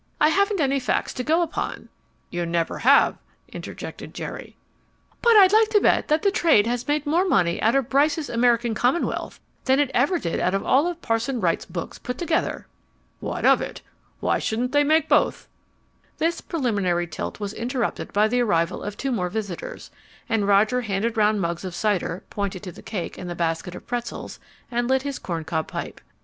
"I haven't any facts to go upon " "You never have," interjected Jerry. "But I'd like to bet that the Trade has made more money out of Bryce's American Commonwealth than it ever did out of all Parson Wright's books put together." "What of it? Why shouldn't they make both?" This preliminary tilt was interrupted by the arrival of two more visitors, and Roger handed round mugs of cider, pointed to the cake and the basket of pretzels, and lit his corn cob pipe.